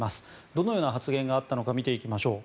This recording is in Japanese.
どのような発言があったのか見ていきましょう。